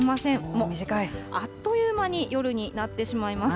もうあっという間に夜になってしまいます。